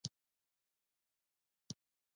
د «فساد، رشوت خورۍ، زورواکۍ